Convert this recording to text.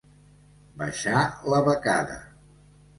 Baixar la becada.